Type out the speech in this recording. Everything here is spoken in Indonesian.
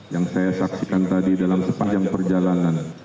yang saya saksikan tadi dalam sepanjang perjalanan